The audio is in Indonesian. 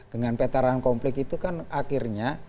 dengan petaran konflik itu kan akhirnya